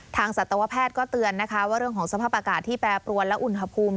สัตวแพทย์ก็เตือนนะคะว่าเรื่องของสภาพอากาศที่แปรปรวนและอุณหภูมิ